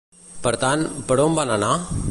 Per tant, per on van anar?